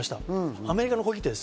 アメリカの小切手です。